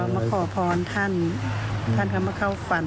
มาขอพรท่านท่านก็มาเข้าฝัน